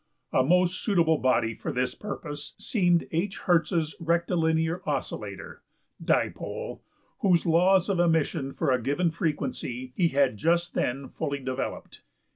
A most suitable body for this purpose seemed H.~Hertz's rectilinear oscillator (dipole) whose laws of emission for a given frequency he had just then fully developed(2).